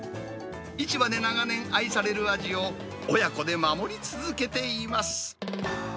市場で長年愛される味を、親子で守り続けています。